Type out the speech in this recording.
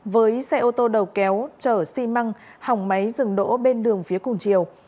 với xe ô tô đầu kéo chở xi măng hỏng máy dừng đỗ bên đường phía cùng chiều